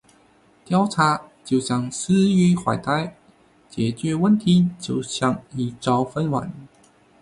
调查就像“十月怀胎”，解决问题就像“一朝分娩”。